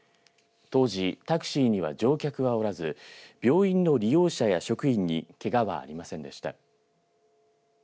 当時、タクシーには乗客はおらず病院の利用者や職員にけがはありませんでした。